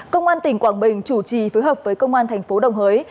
công an tỉnh quảng bình chủ trì phối hợp với công an thành phố đồng hới